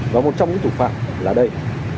và một trong những thủ phạm là đây